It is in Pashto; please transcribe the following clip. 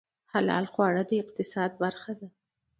حلال خواړه د اقتصاد برخه ده